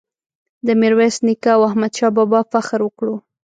د میرویس نیکه او احمد شاه بابا فخر وکړو.